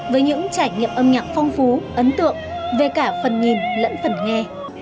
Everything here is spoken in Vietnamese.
với những trải nghiệm âm nhạc phong phú ấn tượng về cả phần nhìn lẫn phần nghe